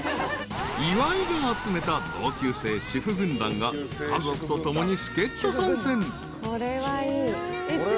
［岩井が集めた同級生主婦軍団が家族と共に助っ人参戦］